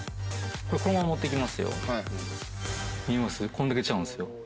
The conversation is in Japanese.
こんだけ違うんですよ。